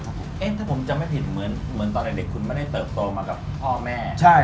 เพราะถ้าผมจำไม่ผิดเหมือนตอนเด็กคุณไม่ได้เติบโตมากับพ่อแม่